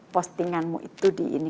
postinganmu itu di ini